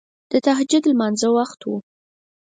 د تهجد لمانځه وخت وو.